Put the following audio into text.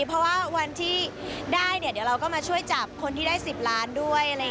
เพราะว่าวันที่ได้เนี่ยเดี๋ยวเราก็มาช่วยจับคนที่ได้๑๐ล้านด้วย